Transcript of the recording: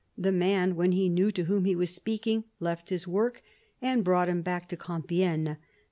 The man, when he knew to whom he was speaking, left his work and brought him back to Compiegne.